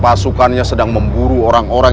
pasukannya sedang memburu orang orang